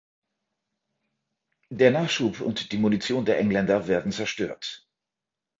Der Nachschub und die Munition der Engländer werden zerstört.